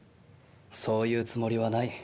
そういうつもりはない。